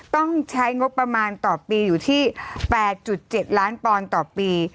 ต้องใช้งบประมาณต่อปีอยู่ที่๘๗ล้านปอนด์ต่อปี